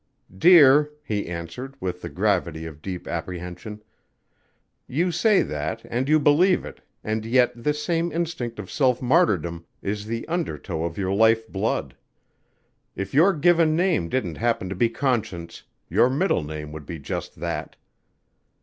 "Dear," he answered with the gravity of deep apprehension, "you say that and you believe it and yet this same instinct of self martyrdom is the undertow of your life flood. If your given name didn't happen to be Conscience your middle name would be just that."